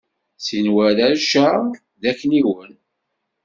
Sin warrac-a d akniwen.